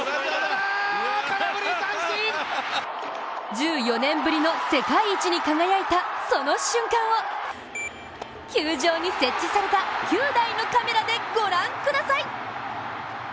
１４年ぶりの世界一に輝いたその瞬間を球場に設置された９台のカメラでご覧ください。